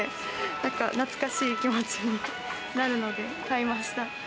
なんか懐かしい気持ちになるので買いました。